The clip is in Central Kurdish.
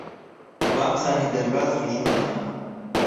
وامزانی دەرباز دوژمنتانە.